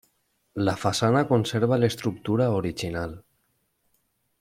La façana conserva l'estructura original.